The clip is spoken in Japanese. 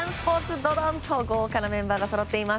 ドドンと豪華なメンバーがそろっています。